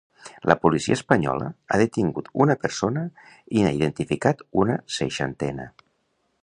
La policia espanyola ha detingut una persona i n’ha identificat una seixantena.